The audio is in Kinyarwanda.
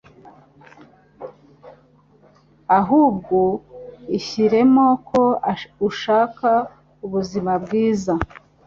ahubwo ishyiremo ko ushaka ubuzima bwiza